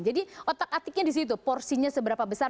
jadi otak atiknya di situ porsinya seberapa besar